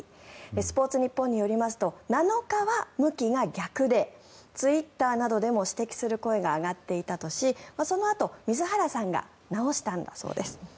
スポーツニッポンによりますと７日は向きが逆でツイッターなどで指摘する声が上がっていたとしそのあと水原さんが直したんだそうです。